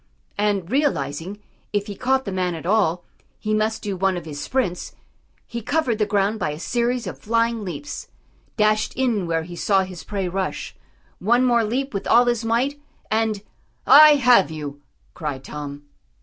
And realising, if he caught the man at all, he must do one of his sprints, he covered the ground by a series of flying leaps, dashed in where he saw his prey rush; one more leap with all his might, and "I have you!" cried Tom.